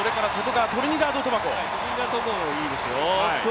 トリニダード・トバゴ、いいですよ。